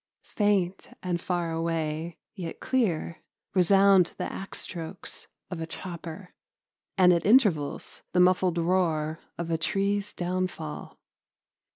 Faint and far away, yet clear, resound the axe strokes of a chopper, and at intervals the muffled roar of a tree's downfall.